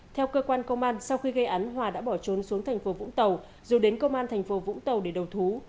theo cơ quan công an sau khi gây án hòa đã bỏ trốn xuống thành phố vũng tàu rồi đến công an thành phố vũng tàu để đầu thú